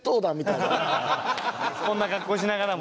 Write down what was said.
こんな格好しながらも。